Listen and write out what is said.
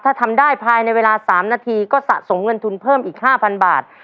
ถ้าทำได้ภายในเวลา๓นาทีก็สะสมเงินทุนเพิ่มอีก๕๐๐บาท